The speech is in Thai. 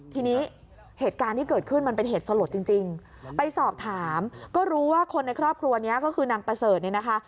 ทีนี้เหตุการณ์ที่เกิดขึ้นมันเป็นเหตุสลดจริงไปสอบถามก็รู้ว่าคนในครอบครัวนี้ก็คือนางประเสริฐเนี่ยนะคะ